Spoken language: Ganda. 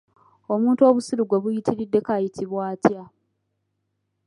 Omuntu obusiru gwe buyitiriddeko ayitibwa atya?